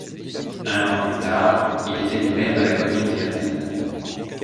Un an plus tard, il est élu maire de la commune d'Yerville.